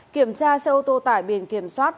kiểm tra xe ô tô tải biển kiểm soát năm mươi h